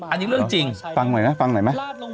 อันนี้เรื่องจริงฟังไหมนะฟังไหมนะ